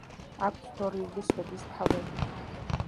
აქვთ დორიული სვეტისთავები.